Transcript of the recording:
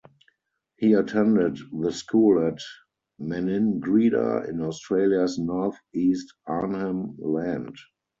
He attended the school at Maningrida in Australia's North East Arnhem Land.